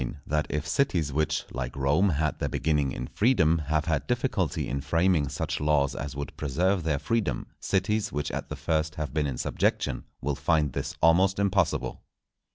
—_That if Cities which, like Rome, had their beginning in Freedom, have had difficulty in framing such Laws as would preserve their Freedom, Cities which at the first have been in Subjection will find this almost impossible.